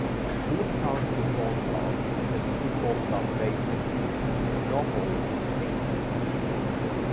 Diss Town Football Club is a football club based in Diss, Norfolk, England.